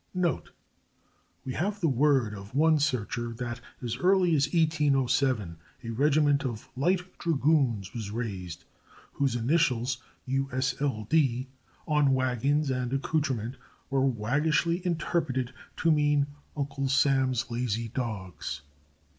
[A] [A] Note We have the word of one searcher that as early as 1807 a regiment of Light Dragoons was raised whose initials, "U. S. L. D.," on wagons and accouterment were waggishly interpreted to mean "Uncle Sam's Lazy Dogs."